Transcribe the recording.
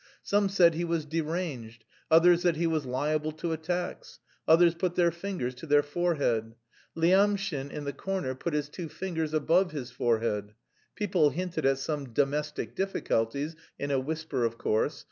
Some said he was "deranged," others that he was "liable to attacks"; others put their fingers to their forehead; Lyamshin, in the corner, put his two fingers above his forehead. People hinted at some domestic difficulties in a whisper, of course.